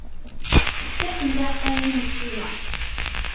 Efk-asen tiɛeqqayin n ččina.